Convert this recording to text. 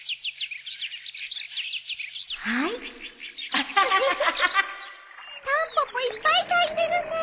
ウフフタンポポいっぱい咲いてるね。